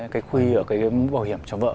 cái khuy ở cái bảo hiểm cho vợ